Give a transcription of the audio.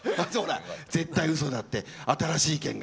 絶対うそだって新しい意見が。